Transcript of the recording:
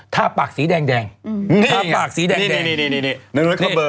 ทาปากสีแดงนี่เหมือนกับเบอร์